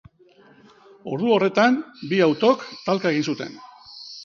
Ordu horretan, bi autok talka egin zuten.